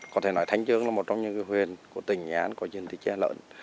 có thể nói thanh trương là một trong những huyền của tỉnh nhán có dân tích trè lợn